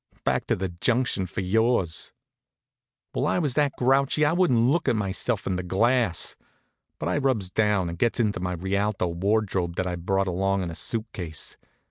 Back to the junction for yours." Well, I was that grouchy I wouldn't look at myself in the glass. But I rubs down and gets into my Rialto wardrobe that I'd brought along in a suit case.